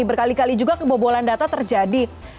berkali kali juga kebobolan data terjadi